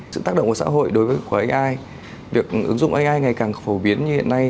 sự tác động của xã hội đối với ai việc ứng dụng ai ngày càng phổ biến như hiện nay